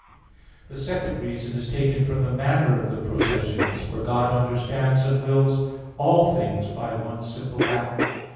The second reason is taken from the manner of the processions. For God understands and wills all things by one simple act.